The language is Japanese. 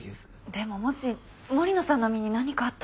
でももし森野さんの身に何かあったら。